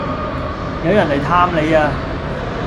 有人黎探你呀